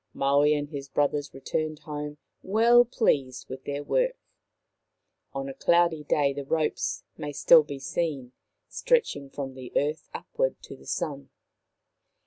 Maui and his brothers returned home, well pleased with their work. On a cloudy day the ropes may still be seen, stretching from the earth upward to the Sun.